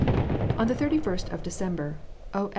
On the thirty first of December, O.